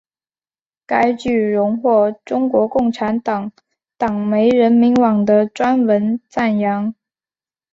该剧荣获中国共产党党媒人民网的专文赞扬。